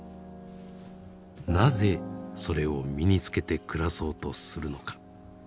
なぜそれを身に着けて暮らそうとするのか。